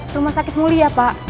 rumah sakit mulia pak